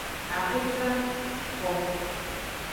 Ahoefa xo.